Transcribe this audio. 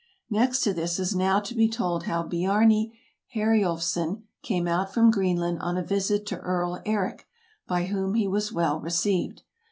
Next to this is now to be told how Biarni Heriulfsson came out from Greenland on a visit to Earl Eric, by whom he was well received.